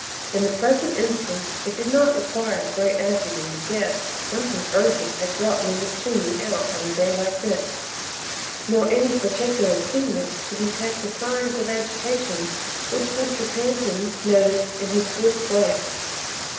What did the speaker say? In the present instance it did not require great acumen to guess that something urgent had brought Mrs. Toomey out on a day like this, nor any particular keenness to detect the signs of agitation which Mr. Pantin noted in his swift glance.